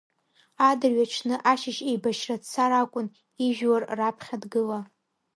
Адырҩаҽны ашьыжь еибашьра дцар акәын, ижәлар раԥхьа дгыла.